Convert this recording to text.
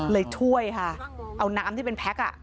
ช่วยค่ะเอาน้ำที่เป็นแพ็ค